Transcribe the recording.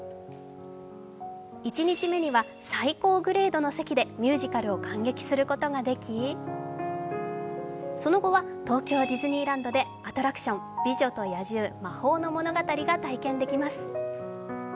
１日目には、最高グレードの席でミュージカルを観劇することができその後は東京ディズニーランドでアトラクション「美女と野獣“魔法のものがたり”」が体験できます。